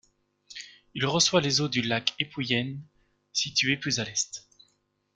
Il reçoit les eaux du lac Epuyén situé plus à l'est.